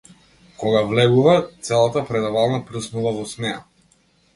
Кога влегува, целата предавална прснува во смеа.